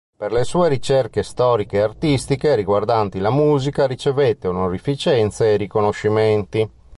Per le sue ricerche storiche e artistiche riguardanti la musica, ricevette onorificenze e riconoscimenti.